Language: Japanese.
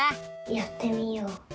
やってみよう。